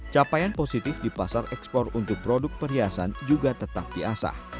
capaian positif di pasar ekspor untuk produk perhiasan juga tetap diasah